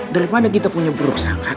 daripada kita punya buruk sangat